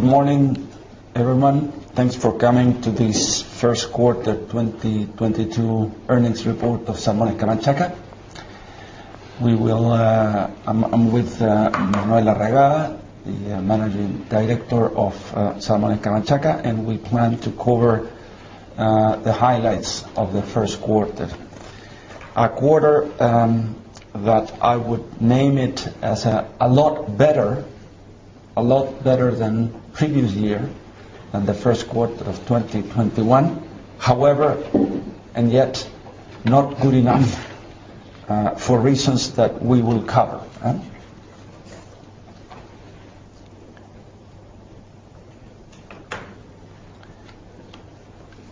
Good morning, everyone. Thanks for coming to this first quarter 2022 earnings report of Salmones Camanchaca. We will. I'm with Manuel Arriagada, the managing director of Salmones Camanchaca, and we plan to cover the highlights of the first quarter. A quarter that I would name it as a lot better than previous year, than the first quarter of 2021. However, yet, not good enough for reasons that we will cover.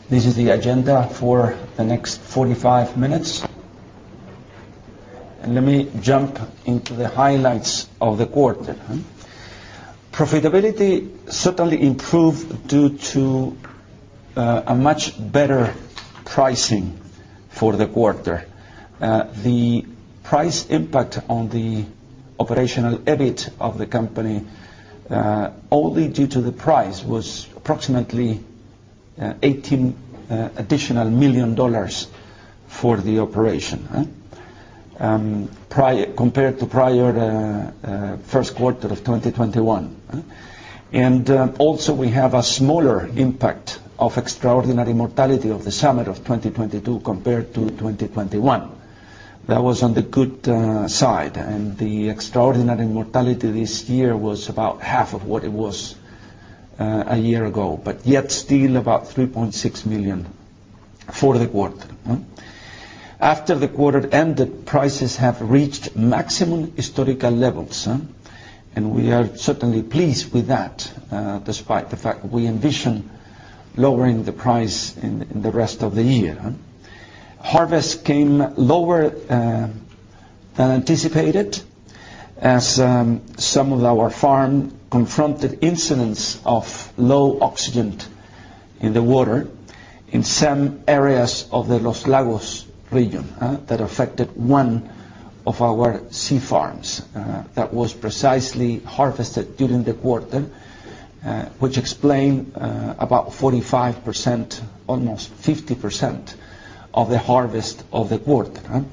This is the agenda for the next 45 minutes. Let me jump into the highlights of the quarter. Profitability certainly improved due to a much better pricing for the quarter. The price impact on the operational EBIT of the company, only due to the price, was approximately $18 million for the operation compared to prior first quarter of 2021. We have a smaller impact of extraordinary mortality of the summer of 2022 compared to 2021. That was on the good side, and the extraordinary mortality this year was about half of what it was a year ago, but yet still about $3.6 million for the quarter. After the quarter ended, prices have reached maximum historical levels, and we are certainly pleased with that, despite the fact we envision lowering the price in the rest of the year. Harvest came lower than anticipated as some of our farm confronted incidents of low oxygen in the water in some areas of the Los Lagos region that affected one of our sea farms that was precisely harvested during the quarter which explain about 45%, almost 50% of the harvest of the quarter.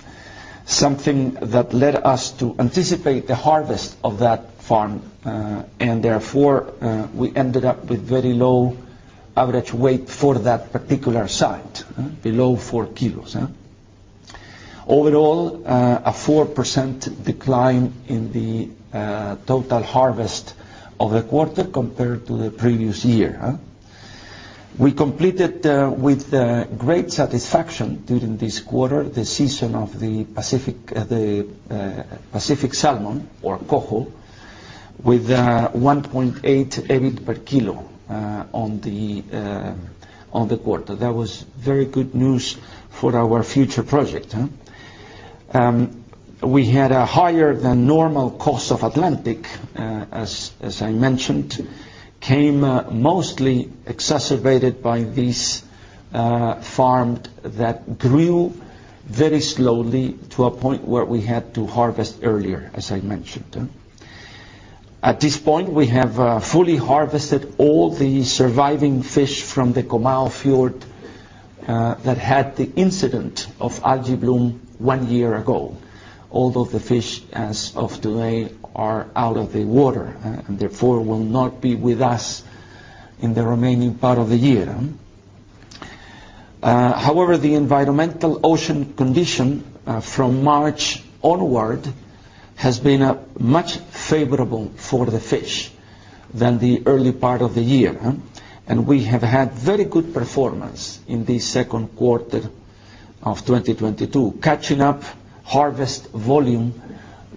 Something that led us to anticipate the harvest of that farm and therefore we ended up with very low average weight for that particular site below 4 kg. Overall a 4% decline in the total harvest of the quarter compared to the previous year. We completed with great satisfaction during this quarter the season of the Pacific salmon or Coho with 1.8 EBIT per kg on the quarter. That was very good news for our future project. We had a higher than normal cost of Atlantic, as I mentioned, came mostly exacerbated by these farmed that grew very slowly to a point where we had to harvest earlier, as I mentioned. At this point, we have fully harvested all the surviving fish from the Comau Fjord that had the incident of algae bloom one year ago. Although the fish as of today are out of the water and therefore will not be with us in the remaining part of the year. However, the environmental ocean conditions from March onward have been much more favorable for the fish than the early part of the year, and we have had very good performance in the second quarter of 2022, catching up harvest volume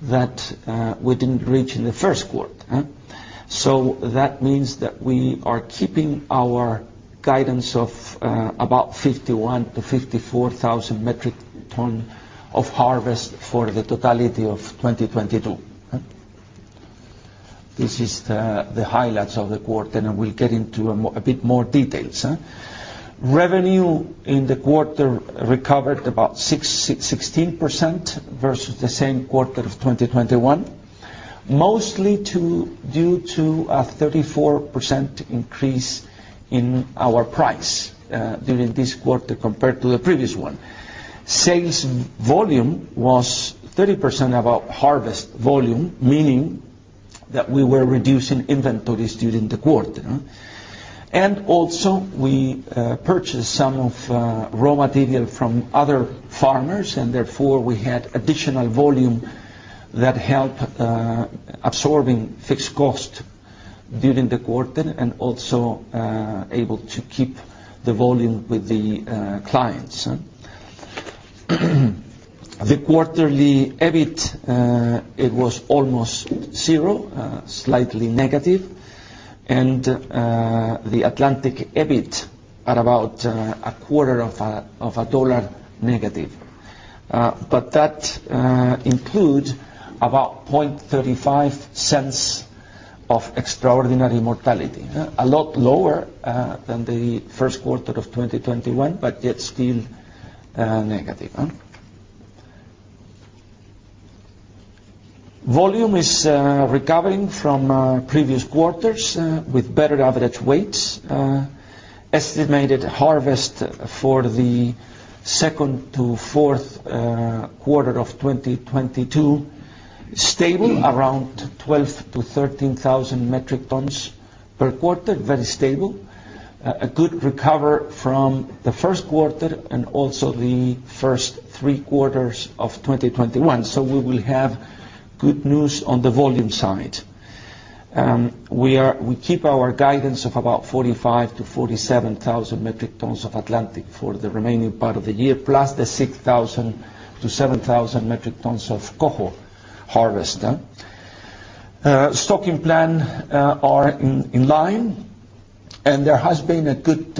that we didn't reach in the first quarter. That means that we are keeping our guidance of about 51,000-54,000 metric tons of harvest for the totality of 2022. This is the highlights of the quarter, and we'll get into a bit more details. Revenue in the quarter recovered about 16% versus the same quarter of 2021. Mostly due to a 34% increase in our price during this quarter compared to the previous one. Sales volume was 30% above harvest volume, meaning that we were reducing inventories during the quarter. We purchased some of raw material from other farmers, and therefore, we had additional volume that help absorbing fixed cost during the quarter and also able to keep the volume with the clients. The quarterly EBIT it was almost zero, slightly negative. The Atlantic EBIT at about a quarter of a dollar negative. But that includes about $0.35 of extraordinary mortality. A lot lower than the first quarter of 2021, but yet still negative. Volume is recovering from previous quarters with better average weights. Estimated harvest for the second to fourth quarter of 2022, stable around 12,000 metric tons-13,000 metric tons per quarter, very stable. A good recovery from the first quarter and also the first three quarters of 2021. We will have good news on the volume side. We keep our guidance of about 45,000 metric tons-47,000 metric tons of Atlantic for the remaining part of the year, plus the 6,000 metric tons-7,000 metric tons of Coho harvest. Stocking plan are in line, and there has been a good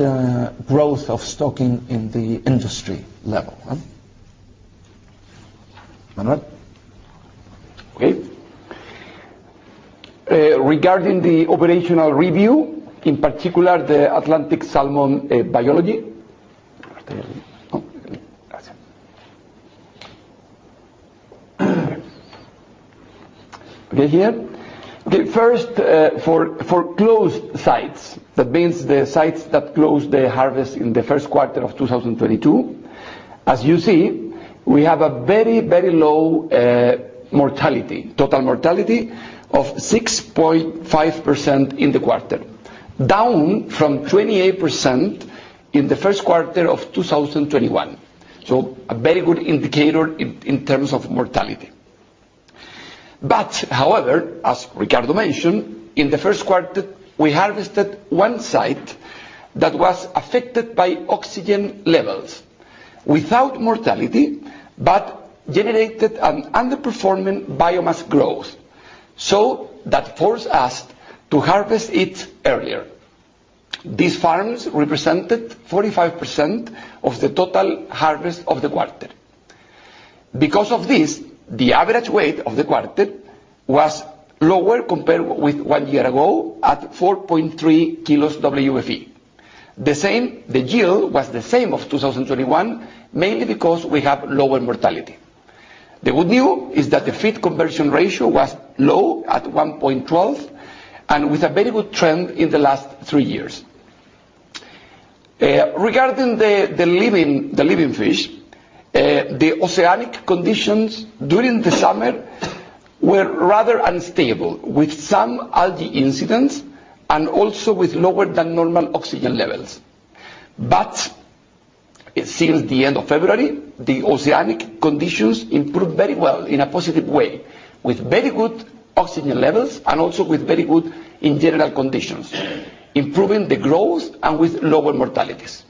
growth of stocking in the industry level. Manuel? Okay. Regarding the operational review, in particular the Atlantic salmon, biology. Oh, gotcha. First, for closed sites, that means the sites that closed their harvest in the first quarter of 2022. As you see, we have a very, very low mortality, total mortality of 6.5% in the quarter, down from 28% in the first quarter of 2021. A very good indicator in terms of mortality. However, as Ricardo mentioned, in the first quarter, we harvested one site that was affected by oxygen levels, without mortality, but generated an underperforming biomass growth, so that forced us to harvest it earlier. These farms represented 45% of the total harvest of the quarter. Because of this, the average weight of the quarter was lower compared with one year ago at 4.3 kg WFE. The same, the yield was the same as 2021, mainly because we have lower mortality. The good news is that the feed conversion ratio was low at 1.12, and with a very good trend in the last three years. Regarding the living fish, the oceanic conditions during the summer were rather unstable, with some algae incidents and also with lower than normal oxygen levels. Since the end of February, the oceanic conditions improved very well in a positive way, with very good oxygen levels and also with very good in general conditions, improving the growth and with lower mortalities.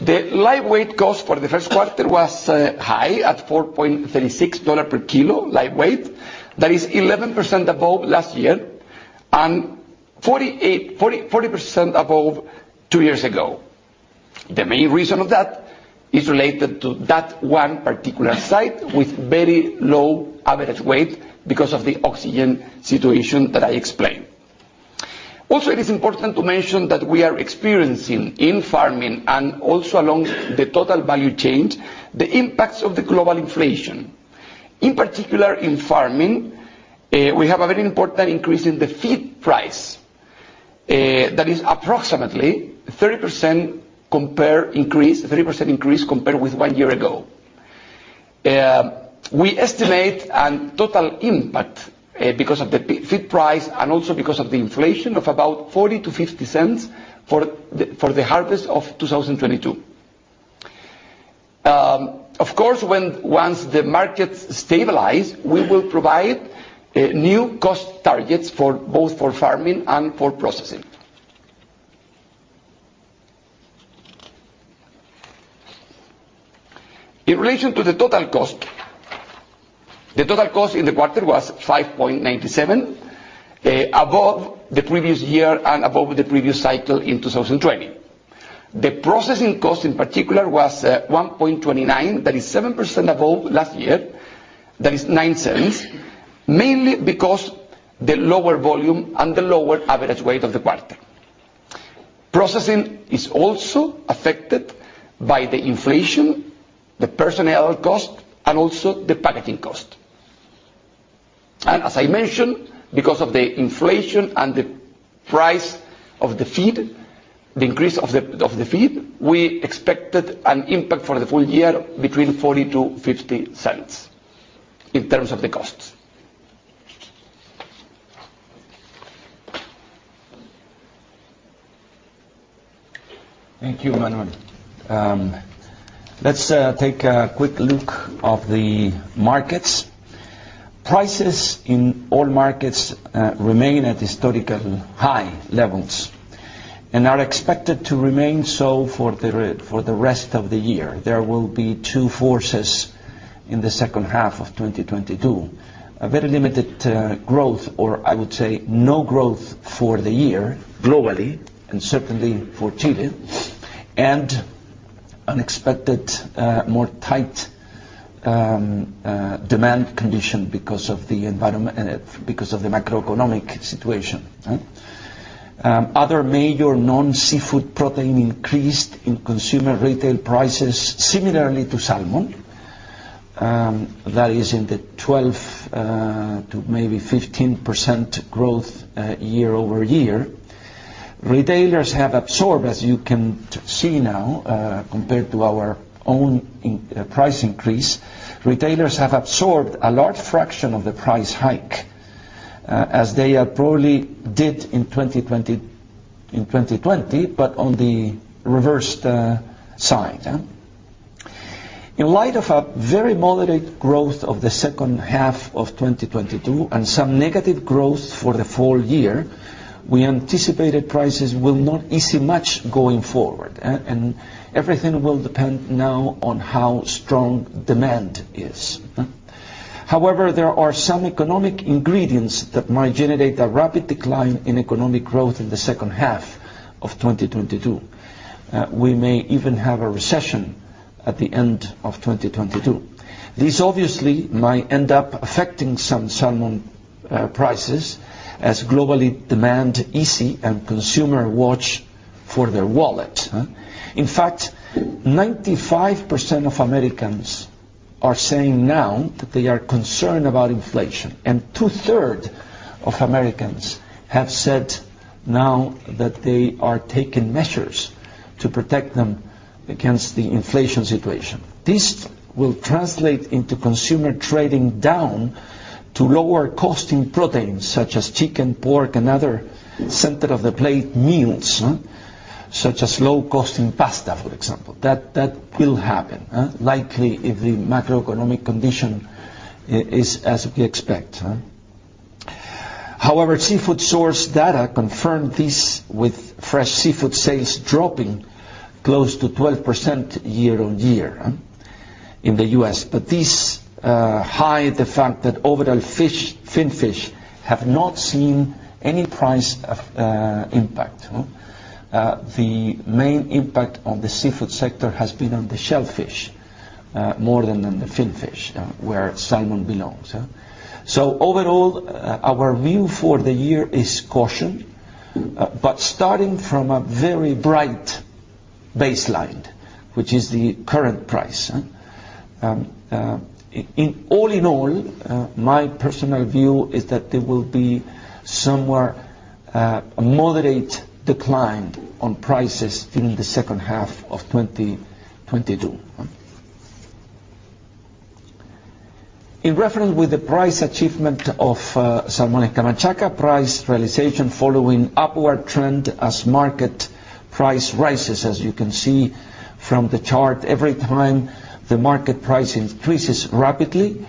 The live weight cost for the first quarter was high at $4.36 per kg live weight. That is 11% above last year and 40% above two years ago. The main reason of that is related to that one particular site with very low average weight because of the oxygen situation that I explained. Also, it is important to mention that we are experiencing in farming and also along the total value chain, the impacts of the global inflation. In particular, in farming, we have a very important increase in the feed price. That is approximately 30% increase compared with one year ago. We estimate a total impact because of the feed price and also because of the inflation of about $0.40-$0.50 for the harvest of 2022. Of course, once the markets stabilize, we will provide new cost targets for both for farming and for processing. In relation to the total cost, the total cost in the quarter was $5.97, above the previous year and above the previous cycle in 2020. The processing cost, in particular, was $1.29. That is 7% above last year. That is $0.09, mainly because the lower volume and the lower average weight of the quarter. Processing is also affected by the inflation, the personnel cost, and also the packaging cost. As I mentioned, because of the inflation and the price of the feed, the increase of the feed, we expected an impact for the full year between $0.40-$0.50 in terms of the costs. Thank you, Manuel. Let's take a quick look at the markets. Prices in all markets remain at historically high levels and are expected to remain so for the rest of the year. There will be two forces in the second half of 2022. A very limited growth, or I would say no growth for the year globally and certainly for Chile, and unexpected tighter demand conditions because of the environment and because of the macroeconomic situation. Other major non-seafood proteins increased in consumer retail prices similarly to salmon, that is in the 12% to maybe 15% growth, year-over-year. Retailers have absorbed, as you can see now, compared to our own price increase, retailers have absorbed a large fraction of the price hike, as they probably did in 2020, but on the reverse side. In light of a very moderate growth of the second half of 2022 and some negative growth for the full year, we anticipated prices will not ease much going forward, and everything will depend now on how strong demand is. However, there are some economic ingredients that might generate a rapid decline in economic growth in the second half of 2022. We may even have a recession at the end of 2022. This obviously might end up affecting some salmon prices as global demand eases and consumers watch for their wallet. In fact, 95% of Americans are saying now that they are concerned about inflation, and two-thirds of Americans have said now that they are taking measures to protect them against the inflation situation. This will translate into consumer trading down to lower costing proteins such as chicken, pork, and other center of the plate meals, such as low-costing pasta, for example. That will happen likely if the macroeconomic condition is as we expect. However, seafood source data confirmed this with fresh seafood sales dropping close to 12% year-on-year in the U.S.. But this hides the fact that overall fish, finfish, have not seen any price impact. The main impact on the seafood sector has been on the shellfish more than on the finfish where salmon belongs. Overall, our view for the year is caution, but starting from a very bright baseline, which is the current price. All in all, my personal view is that there will be somewhere a moderate decline on prices during the second half of 2022. In reference with the price achievement of Salmones Camanchaca, price realization following upward trend as market price rises. As you can see from the chart, every time the market price increases rapidly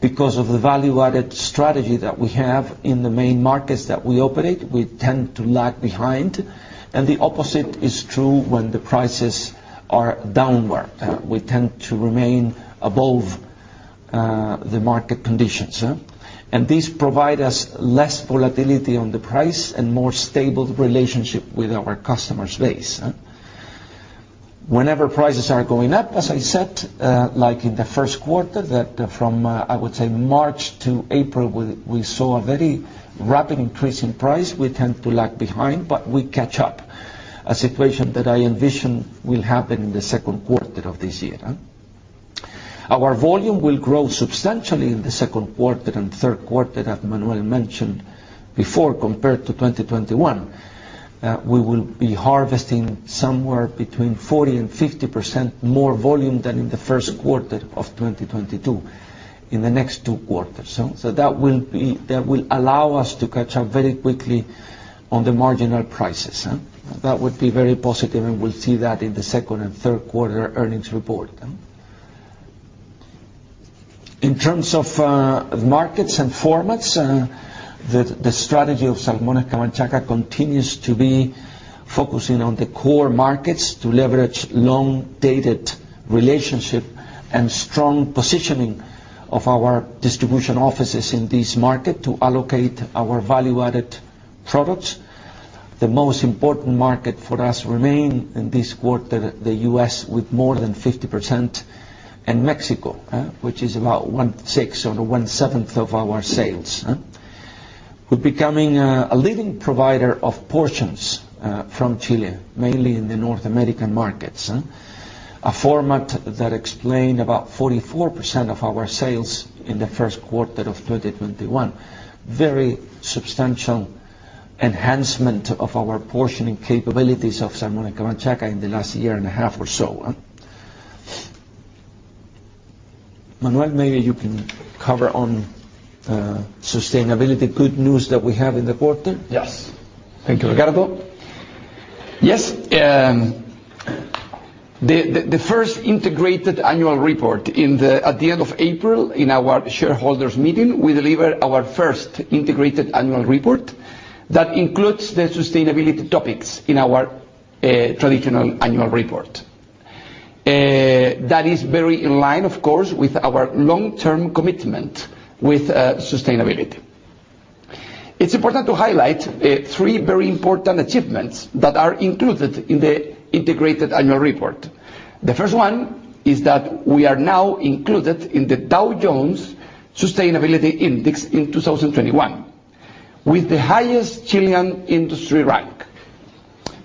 because of the value-added strategy that we have in the main markets that we operate, we tend to lag behind. The opposite is true when the prices are downward. We tend to remain above the market conditions. These provide us less volatility on the price and more stable relationship with our customer base. Whenever prices are going up, as I said, like in the first quarter from, I would say March to April, we saw a very rapid increase in price. We tend to lag behind, but we catch up, a situation that I envision will happen in the second quarter of this year. Our volume will grow substantially in the second quarter and third quarter that Manuel mentioned before, compared to 2021. We will be harvesting somewhere between 40% and 50% more volume than in the first quarter of 2022 in the next two quarters, so that will be. That will allow us to catch up very quickly on the marginal prices. That would be very positive, and we'll see that in the second and third quarter earnings report. In terms of markets and formats, the strategy of Salmones Camanchaca continues to be focusing on the core markets to leverage long-dated relationship and strong positioning of our distribution offices in this market to allocate our value-added products. The most important market for us remains in this quarter, the U.S. with more than 50% and Mexico, which is about 1/6 or 1/7 of our sales. We're becoming a leading provider of portions from Chile, mainly in the North American markets, a format that explained about 44% of our sales in the first quarter of 2021. Very substantial enhancement of our portioning capabilities of Salmones Camanchaca in the last year and a half or so. Manuel, maybe you can cover on sustainability, good news that we have in the quarter. Yes. Thank you, Ricardo. Yes, the first integrated annual report at the end of April in our shareholders meeting, we delivered our first integrated annual report that includes the sustainability topics in our traditional annual report. That is very in line, of course, with our long-term commitment with sustainability. It's important to highlight three very important achievements that are included in the integrated annual report. The first one is that we are now included in the Dow Jones Sustainability Index in 2021, with the highest Chilean industry rank.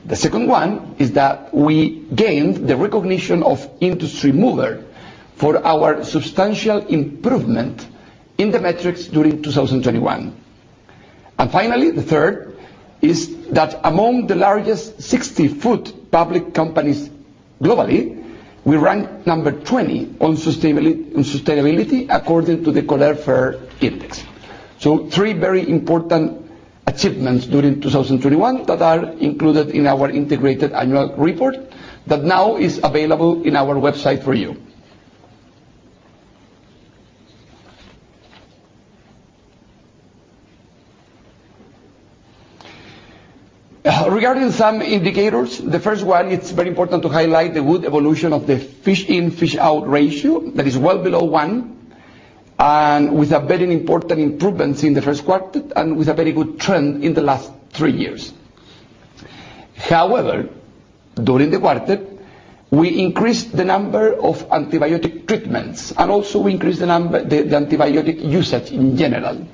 The second one is that we gained the recognition of Industry Mover for our substantial improvement in the metrics during 2021. Finally, the third is that among the largest 60 food public companies globally, we rank number 20 on sustainability according to the Coller FAIRR Index. Three very important achievements during 2021 that are included in our integrated annual report that now is available in our website for you. Regarding some indicators, the first one, it's very important to highlight the good evolution of the fish in, fish out ratio that is well below one, and with a very important improvements in the first quarter, and with a very good trend in the last three years. However, during the quarter, we increased the number of antibiotic treatments, and also increased the antibiotic usage in general.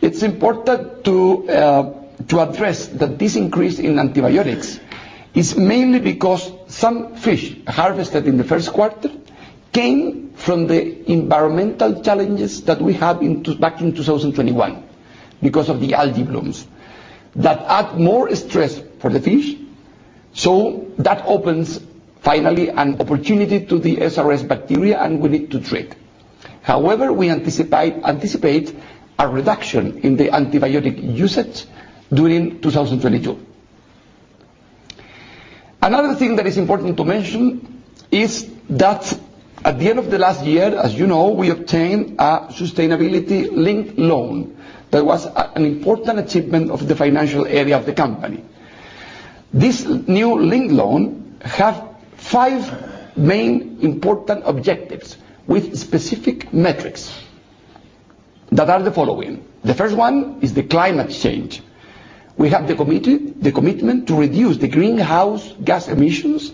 It's important to address that this increase in antibiotics is mainly because some fish harvested in the first quarter came from the environmental challenges that we had back in 2021 because of the algae blooms, that add more stress for the fish. That opens finally an opportunity to the SRS bacteria and we need to treat. However, we anticipate a reduction in the antibiotic usage during 2022. Another thing that is important to mention is that at the end of the last year, as you know, we obtained a sustainability-linked loan that was a, an important achievement of the financial area of the company. This new linked loan have five main important objectives with specific metrics that are the following. The first one is the climate change. We have the commitment to reduce the greenhouse gas emissions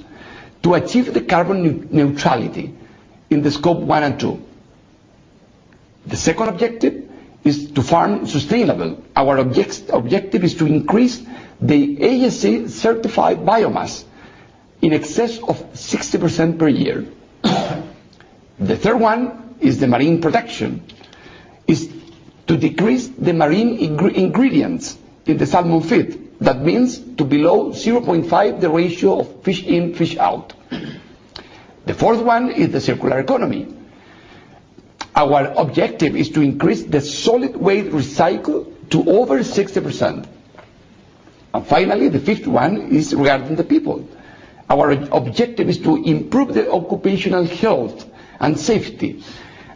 to achieve the carbon neutrality in the Scope 1 and 2. The second objective is to farm sustainable. Our objective is to increase the ASC certified biomass in excess of 60% per year. The third one is the marine protection. is to decrease the marine ingredients in the salmon feed. That means to below 0.5 the ratio of fish in, fish out. The fourth one is the circular economy. Our objective is to increase the solid waste recycling to over 60%. Finally, the fifth one is regarding the people. Our objective is to improve the occupational health and safety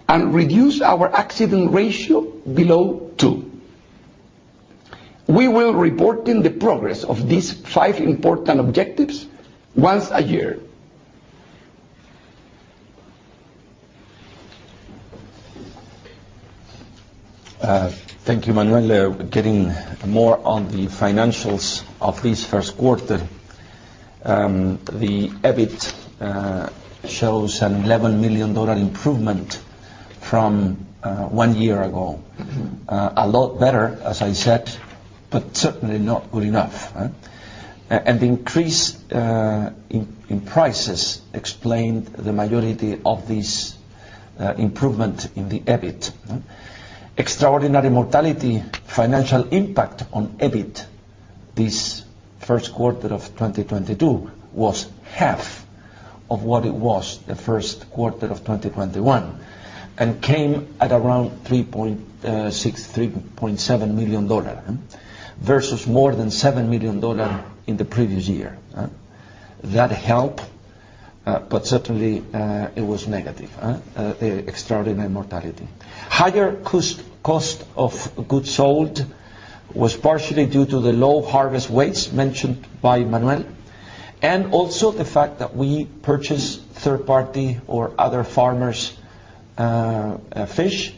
and reduce our accident ratio below two. We will be reporting the progress of these five important objectives once a year. Thank you, Manuel. Getting more on the financials of this first quarter. The EBIT shows an $11 million improvement from one year ago. A lot better, as I said, but certainly not good enough, huh? The increase in prices explained the majority of this improvement in the EBIT, huh? Extraordinary mortality financial impact on EBIT this first quarter of 2022 was half of what it was the first quarter of 2021, and came at around $3.7 million versus more than $7 million in the previous year, huh? That helped, but certainly it was negative, huh, the extraordinary mortality. Higher cost of goods sold was partially due to the low harvest weights mentioned by Manuel, and also the fact that we purchased third party or other farmers', fish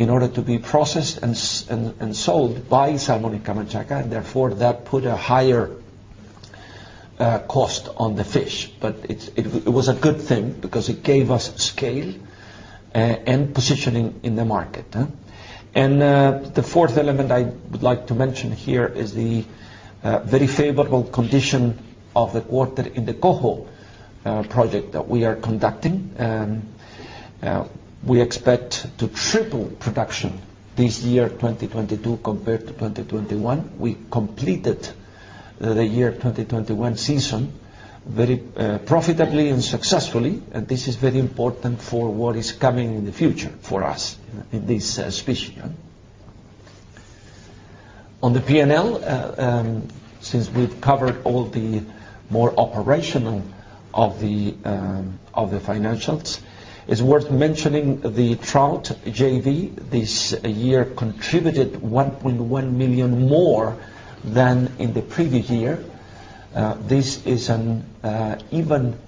in order to be processed and sold by Salmones Camanchaca, and therefore that put a higher cost on the fish. But it was a good thing because it gave us scale and positioning in the market, huh? The fourth element I would like to mention here is the very favorable condition of the quarter in the Coho project that we are conducting. We expect to triple production this year, 2022 compared to 2021. We completed the year 2021 season very profitably and successfully, and this is very important for what is coming in the future for us in this species. On the P&L, since we've covered all the more operational of the financials, it's worth mentioning the Trout JV this year contributed $1.1 million more than in the previous year. This is an even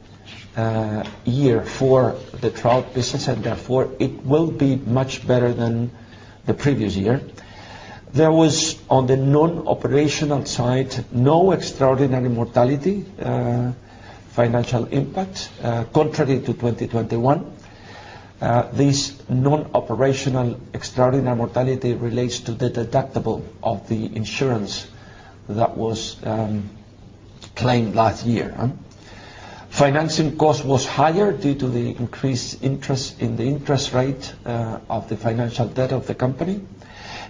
year for the trout business, and therefore it will be much better than the previous year. There was, on the non-operational side, no extraordinary mortality financial impact, contrary to 2021. This non-operational extraordinary mortality relates to the deductible of the insurance that was claimed last year. Financing cost was higher due to the increased interest in the interest rate of the financial debt of the company.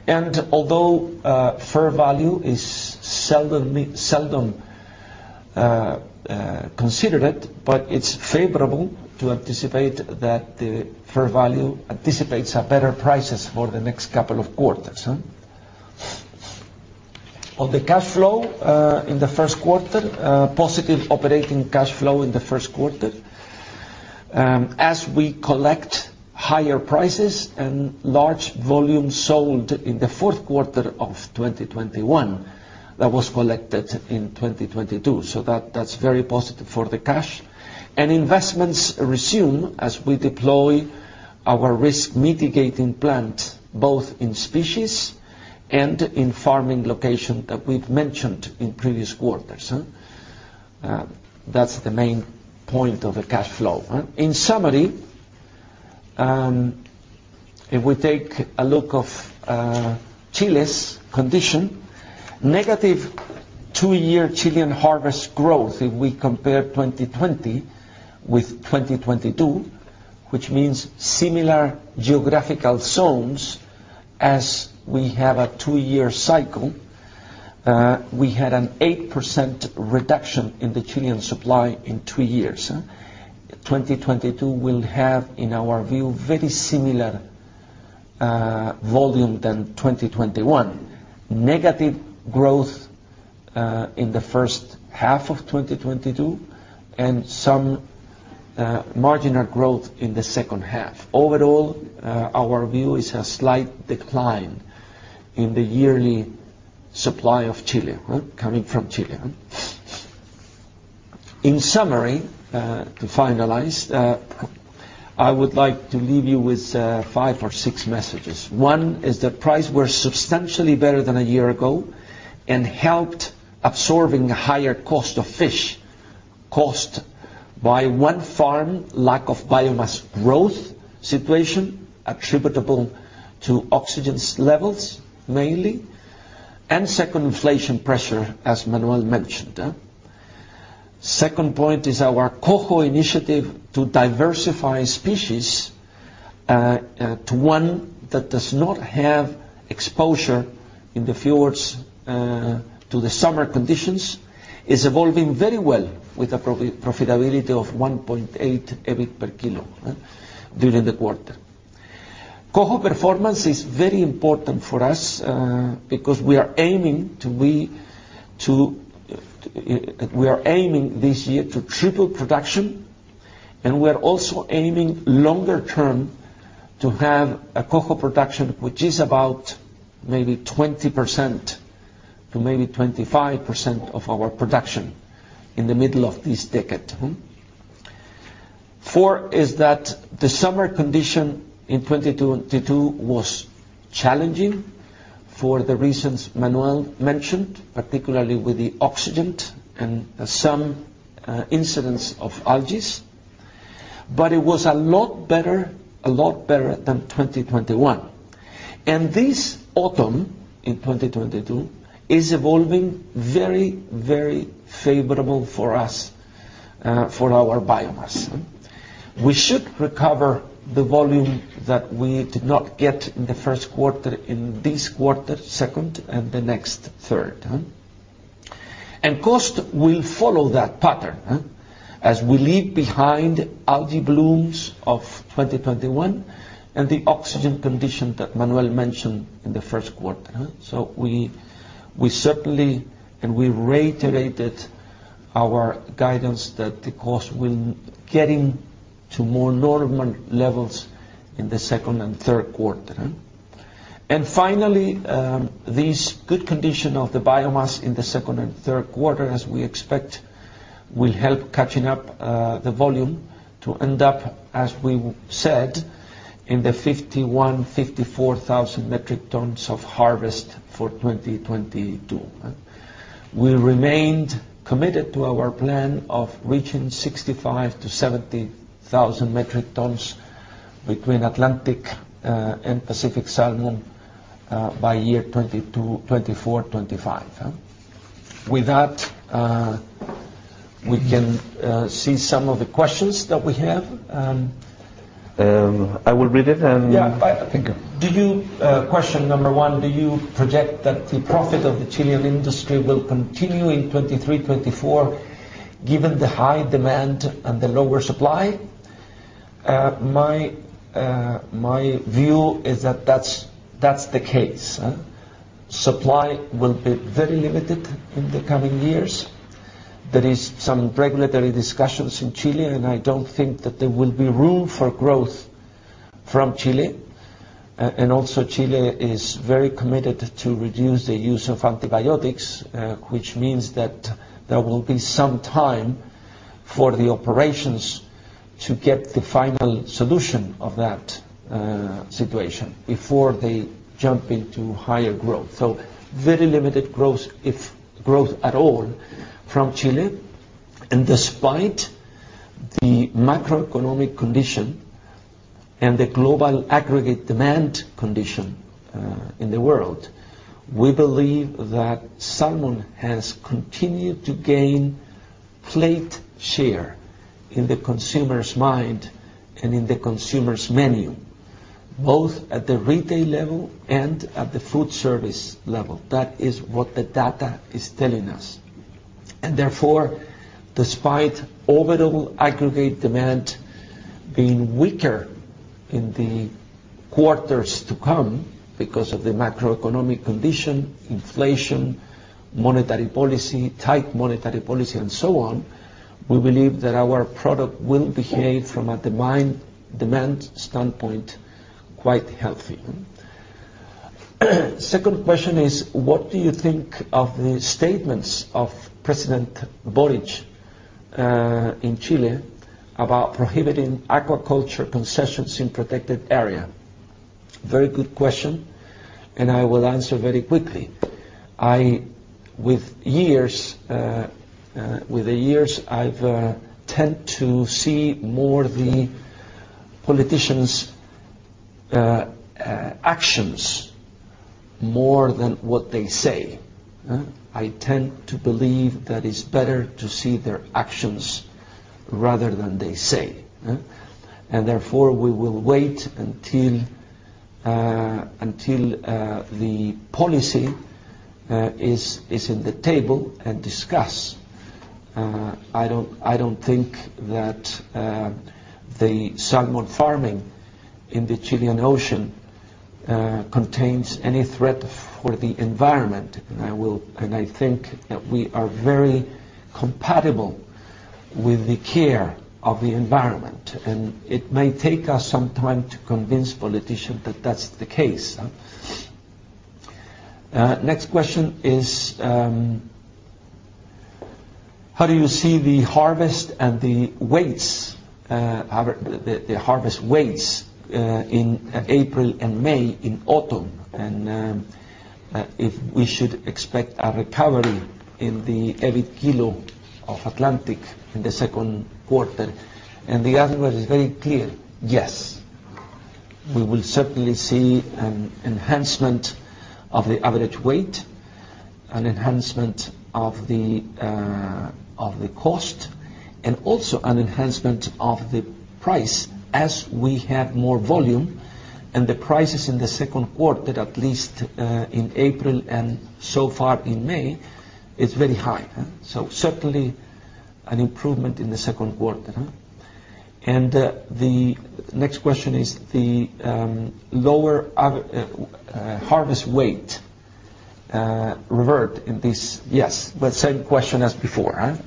Although fair value is seldom considered, it's favorable to anticipate that the fair value anticipates better prices for the next couple of quarters. On the cash flow in the first quarter, positive operating cash flow in the first quarter as we collect higher prices and large volumes sold in the fourth quarter of 2021, that was collected in 2022. That's very positive for the cash. Investments resume as we deploy our risk mitigating plan, both in species and in farming location that we've mentioned in previous quarters. That's the main point of the cash flow. In summary, if we take a look of Chile's condition, -two-year Chilean harvest growth, if we compare 2020 with 2022, which means similar geographical zones as we have a two-year cycle, we had an 8% reduction in the Chilean supply in two years. 2022 will have, in our view, very similar volume than 2021. Negative growth in the first half of 2022, and some marginal growth in the second half. Overall, our view is a slight decline in the yearly supply of Chile coming from Chile. In summary, to finalize, I would like to leave you with five or six messages. One is the prices were substantially better than a year ago and helped absorb higher cost of fish, caused by one farm lack of biomass growth situation attributable to oxygen levels, mainly, and second inflation pressure, as Manuel mentioned. Second point is our Coho initiative to diversify species, to one that does not have exposure in the fjords, to the summer conditions, is evolving very well with a profitability of 1.8 EBIT per kg, during the quarter. Coho performance is very important for us, because we are aiming this year to triple production, and we are also aiming longer term to have a Coho production, which is about maybe 20% to maybe 25% of our production in the middle of this decade. Four is that the summer condition in 2022 was challenging for the reasons Manuel mentioned, particularly with the oxygen and some incidents of algae. It was a lot better than 2021. This autumn in 2022 is evolving very, very favorable for us for our biomass. We should recover the volume that we did not get in the first quarter in this quarter, second, and the next third. Cost will follow that pattern, as we leave behind algae blooms of 2021 and the oxygen condition that Manuel mentioned in the first quarter. We certainly, and we reiterated our guidance that the cost will getting to more normal levels in the second and third quarter. Finally, this good condition of the biomass in the second and third quarter, as we expect, will help catching up the volume to end up, as we said, in the 51,000 metric tons-54,000 metric tons of harvest for 2022. We remained committed to our plan of reaching 65,000 metric tons-70,000 metric tons between Atlantic and Pacific salmon by year 2022, 2024, 2025. With that, we can see some of the questions that we have. I will read it. Yeah. Thank you. Question number one, do you project that the profit of the Chilean industry will continue in 2023-2024 given the high demand and the lower supply? My view is that that's the case. Supply will be very limited in the coming years. There is some regulatory discussions in Chile, and I don't think that there will be room for growth from Chile. And also Chile is very committed to reduce the use of antibiotics, which means that there will be some time for the operations to get the final solution of that situation before they jump into higher growth. Very limited growth, if growth at all, from Chile. Despite the macroeconomic condition and the global aggregate demand condition in the world, we believe that salmon has continued to gain plate share in the consumer's mind and in the consumer's menu, both at the retail level and at the food service level. That is what the data is telling us. Therefore, despite overall aggregate demand being weaker in the quarters to come because of the macroeconomic condition, inflation, monetary policy, tight monetary policy and so on, we believe that our product will behave from a demand standpoint, quite healthy. Second question is, what do you think of the statements of President Boric in Chile about prohibiting aquaculture concessions in protected area? Very good question, and I will answer very quickly. With the years, I tend to see more the politicians' actions more than what they say. I tend to believe that it's better to see their actions rather than what they say. Therefore, we will wait until the policy is on the table and discuss. I don't think that the salmon farming in the Chilean ocean contains any threat for the environment. I think that we are very compatible with the care of the environment, and it may take us some time to convince politicians that that's the case. Next question is, how do you see the harvest weights in April and May in autumn, and if we should expect a recovery in the average kilo of Atlantic in the second quarter. The answer is very clear. Yes. We will certainly see an enhancement of the average weight, an enhancement of the cost, and also an enhancement of the price as we have more volume, and the prices in the second quarter, at least, in April and so far in May, is very high. Certainly an improvement in the second quarter. The next question is the lower harvest weight revert in this. Yes, the same question as before,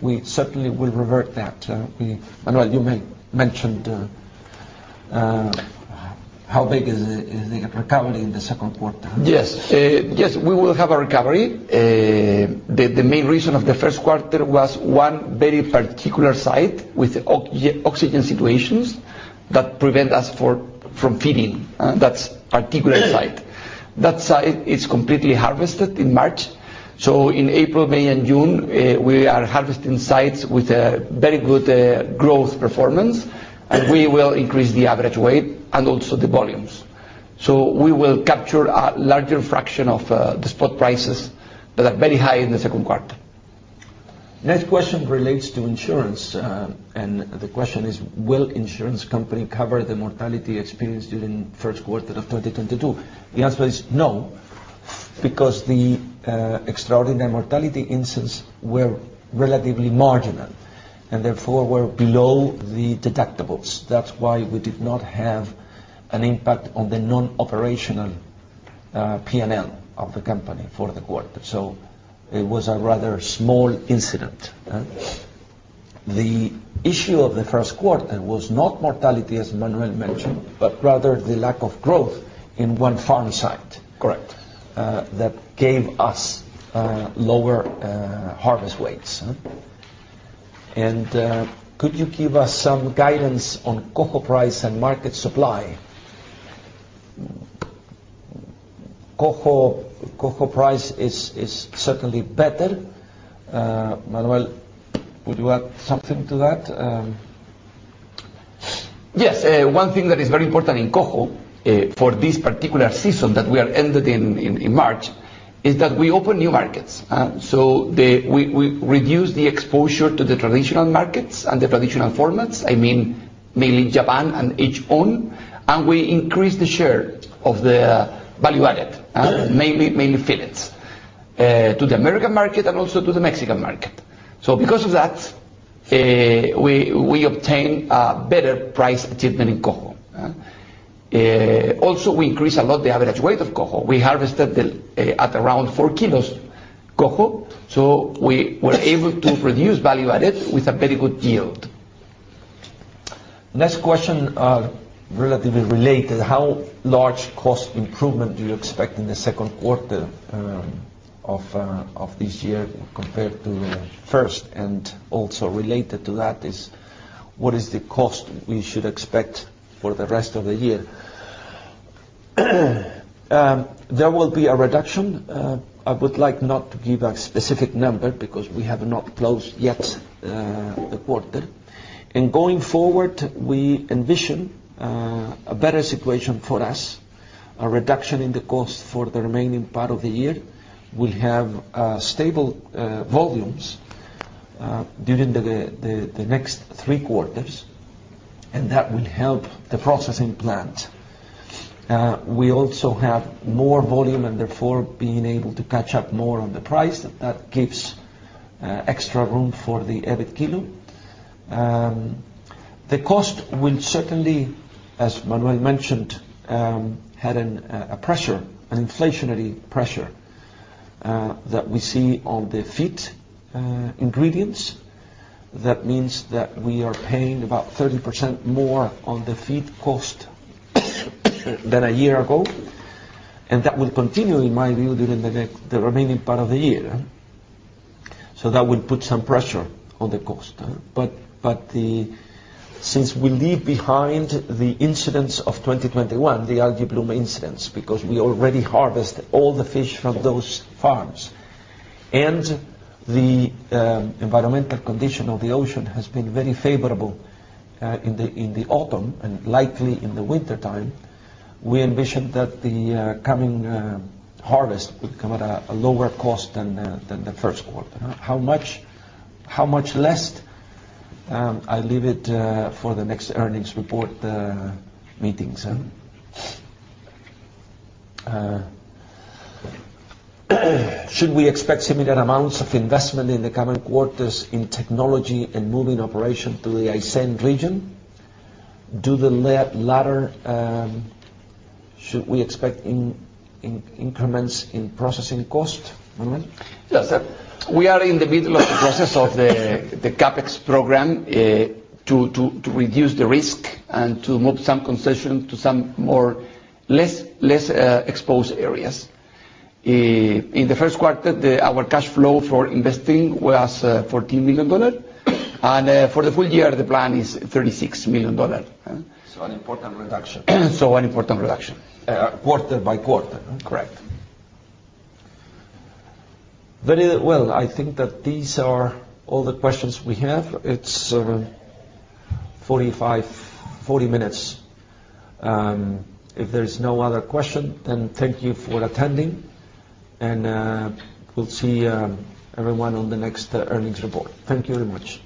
we certainly will revert that. We Manuel, you mentioned how big is the recovery in the second quarter. Yes. Yes, we will have a recovery. The main reason of the first quarter was one very particular site with oxygen situations that prevent us from feeding that particular site. That site is completely harvested in March, so in April, May, and June, we are harvesting sites with a very good growth performance, and we will increase the average weight and also the volumes. We will capture a larger fraction of the spot prices that are very high in the second quarter. Next question relates to insurance, and the question is, will insurance company cover the mortality experience during first quarter of 2022? The answer is no, because the extraordinary mortality incidents were relatively marginal and therefore were below the deductibles. That's why we did not have an impact on the non-operational P&L of the company for the quarter. It was a rather small incident. The issue of the first quarter was not mortality, as Manuel mentioned, but rather the lack of growth in one farm site. Correct. That gave us lower harvest weights. Could you give us some guidance on Coho price and market supply? Coho price is certainly better. Manuel, would you add something to that? Yes. One thing that is very important in Coho, for this particular season that ended in March, is that we opened new markets. We reduce the exposure to the traditional markets and the traditional formats, I mean, mainly Japan and head-on, and we increase the share of the value-added, mainly fillets, to the American market and also to the Mexican market. Because of that, we obtain a better price achieved than in Coho. Also, we increase a lot the average weight of Coho. We harvested at around 4 kg. We were able to produce value-added with a very good yield. Next question, relatively related. How large cost improvement do you expect in the second quarter, of this year compared to the first? Also related to that is, what is the cost we should expect for the rest of the year? There will be a reduction. I would like not to give a specific number because we have not closed yet the quarter. Going forward, we envision a better situation for us, a reduction in the cost for the remaining part of the year. We have stable volumes during the next three quarters, and that will help the processing plant. We also have more volume and therefore being able to catch up more on the price. That gives extra room for the EBIT kilo. The cost will certainly, as Manuel mentioned, has had an inflationary pressure that we see on the feed ingredients. That means that we are paying about 30% more on the feed cost than a year ago, and that will continue, in my view, during the remaining part of the year. That would put some pressure on the cost. Since we leave behind the incidents of 2021, the algae bloom incidents, because we already harvested all the fish from those farms, and the environmental condition of the ocean has been very favorable in the autumn and likely in the wintertime, we envision that the coming harvest would come at a lower cost than the first quarter. How much less? I leave it for the next earnings report meetings. Should we expect similar amounts of investment in the coming quarters in technology and moving operation to the Aysén region? Should we expect increments in processing cost? Manuel? Yes, sir. We are in the middle of the process of the CapEx program to reduce the risk and to move some concession to some more less exposed areas. In the first quarter, our cash flow for investing was $14 million. For the full year, the plan is $36 million. An important reduction. An important reduction. Quarter by quarter. Correct. Very well. I think that these are all the questions we have. It's 45, 40 minutes. If there's no other question, then thank you for attending. We'll see everyone on the next earnings report. Thank you very much.